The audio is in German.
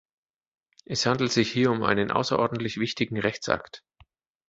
Es handelt sich hier um einen außerordentlich wichtigen Rechtsakt.